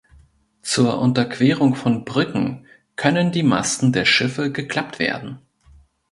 Zur Unterquerung von Brücken können die Masten der Schiffe geklappt werden.